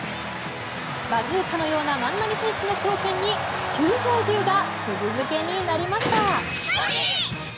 バズーカのような万波選手の強肩に球場中が釘付けになりました。